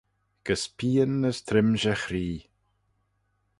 Gys pian as trimshey chree.